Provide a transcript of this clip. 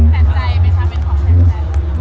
แฟนก์ใจไปทำเป็นของแฟนก์แฟนกู